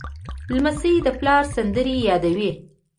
لمسی د پلار سندرې یادوي.